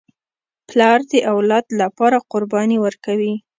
پلار د اولاد لپاره قرباني ورکوي.